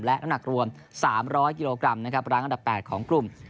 และน้ำหนักรวม๓๐๐กิโลกรัมนะครับรั้งอันดับ๘ของกลุ่ม